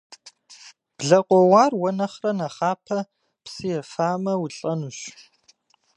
Блэ къоуар уэ нэхърэ нэхъапэ псы ефамэ, улӏэнущ.